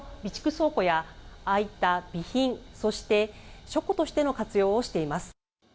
倉庫やああいった備品、そして、書庫としての活用をしています。